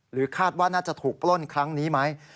คาดว่าน่าจะถูกปล้นครั้งนี้ไหม